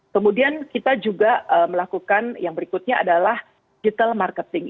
kemudian kita juga melakukan yang berikutnya adalah digital marketing